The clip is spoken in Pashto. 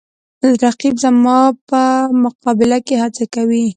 رقیب زما په مقابل کې هڅه کوي